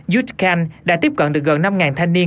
yout khanh đã tiếp cận được gần năm thanh niên